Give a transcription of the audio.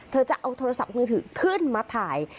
เธอจะเอาโทรศัพท์มือถือขึ้นมาถ่าย